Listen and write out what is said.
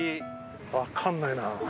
わかんないな。